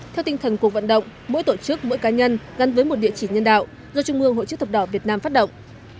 theo tinh thần cuộc vận động mỗi tổ chức mỗi cá nhân gắn với một địa chỉ nhân đạo do trung ương hội chữ thập đỏ việt nam phát động